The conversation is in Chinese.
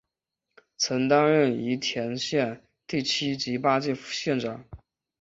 曾担任宜兰县第七及八届县长。